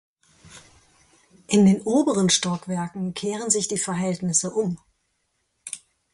In den oberen Stockwerken kehren sich die Verhältnisse um.